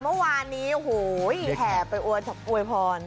เมื่อวานนี้โหแขกไปอวยพร